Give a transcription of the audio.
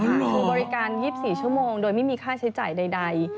คือบริการ๒๔ชั่วโมงโดยไม่มีค่าใช้จ่ายใด